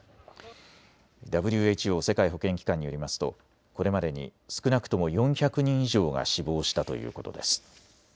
ＷＨＯ・世界保健機関によりますとこれまでに少なくとも４００人以上が死亡したということです。